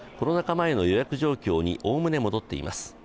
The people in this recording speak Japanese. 前の予約状況におおむね戻っています。